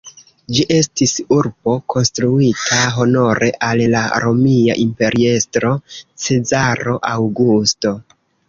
Ĝi estis urbo konstruita honore al la romia imperiestro Cezaro Aŭgusto.